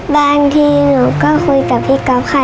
บางทีหนูก็คุยกับพี่ก๊อฟค่ะ